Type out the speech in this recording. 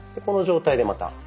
この状態でまた。